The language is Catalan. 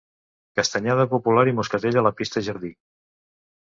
Castanyada popular i moscatell a la Pista Jardí.